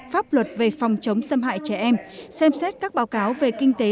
pháp luật về phòng chống xâm hại trẻ em xem xét các báo cáo về kinh tế